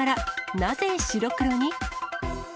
なぜ白黒に？